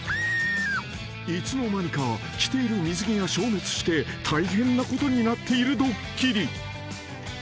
［いつの間にか着ている水着が消滅して大変なことになっているドッキリ］